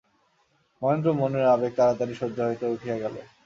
মহেন্দ্র মনের আবেগে তাড়াতাড়ি শয্যা হইতে উঠিয়া গেল।